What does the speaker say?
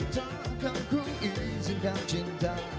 takkan ku izinkan cinta